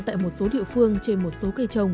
tại một số địa phương trên một số cây trồng